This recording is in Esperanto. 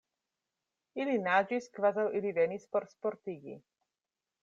Ili naĝis kvazaŭ ili venis por sportigi.